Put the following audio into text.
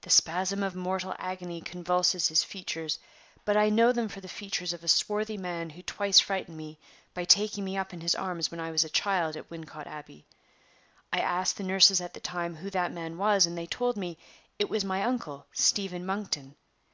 The spasm of mortal agony convulses his features; but I know them for the features of a swarthy man who twice frightened me by taking me up in his arms when I was a child at Wincot Abbey. I asked the nurses at the time who that man was, and they told me it was my uncle, Stephen Monkton.